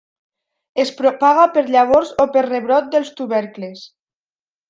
Es propaga per llavors o per rebrot dels tubercles.